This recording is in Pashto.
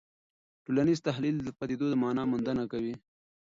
ټولنیز تحلیل د پدیدو د مانا موندنه کوي.